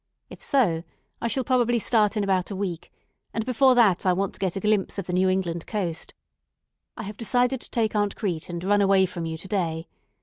If so, I shall probably start in about a week, and before that I want to get a glimpse of the New England coast. I have decided to take Aunt Crete, and run away from you to day.